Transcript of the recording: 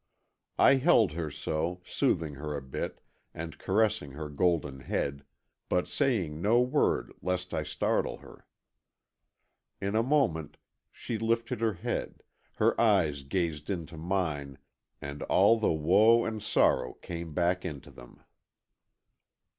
I held her so, soothing her a bit, and caressing her golden head, but saying no word lest I startle her. In a moment, she lifted her head, her eyes gazed into mine and all the woe and sorrow came back into them.